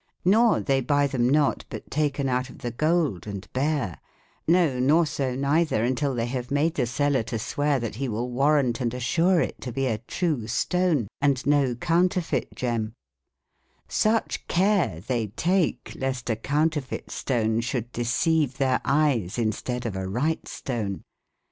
]Vor tbey bye tbem not, but taken outof tbe golde, and bare: no nor so neitber, untyll tbey bave made tbe seller to sweare tbat be will war/ raunte & assure it to be a true stone, and no counterfeit gemmej^Sucbecare tbey take lesta counterfeitestone sbould de/ ceave tbeir eyes in steade of a rygbte stone.